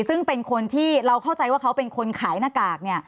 ซึ่งเป็นคนที่เราเข้าใจว่าเขาเป็นคนขายหน้ากาก